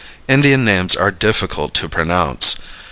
Indian names are difficult to pronounce.